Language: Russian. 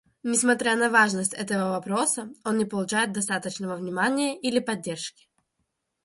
Несмотря на важность этого вопроса, он не получает достаточного внимания или поддержки.